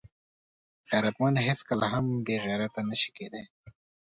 غیرتمند هیڅکله هم بېغیرته نه شي کېدای